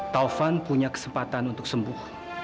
taufan punya kesempatan untuk sembuh